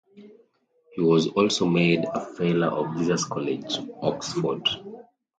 He was also made a Fellow of Jesus College, Oxford.